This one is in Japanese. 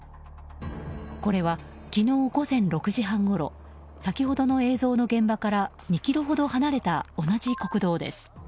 これは昨日午前６時半ごろ先ほどの映像の現場から２ｋｍほど離れた同じ国道です。